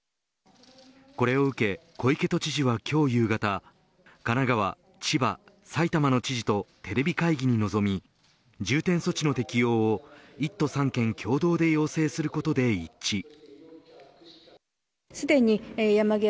これを受け小池都知事は今日夕方神奈川、千葉埼玉の知事とテレビ会議に臨み重点措置の適用を１都３県共同で要請することで一致。